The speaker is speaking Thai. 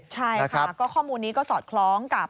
ใช่ค่ะก็ข้อมูลนี้ก็สอดคล้องกับ